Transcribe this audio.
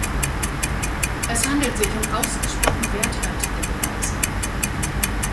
Es handelt sich um ausgesprochen werthaltige Beweise.